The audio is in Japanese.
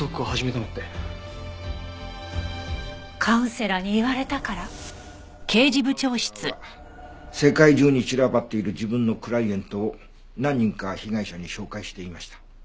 このカウンセラーは世界中に散らばっている自分のクライエントを何人か被害者に紹介していました。